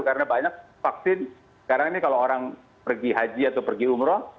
karena banyak vaksin sekarang ini kalau orang pergi haji atau pergi umroh